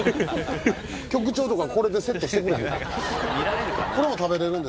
局長とか、これでセットしてくれへん？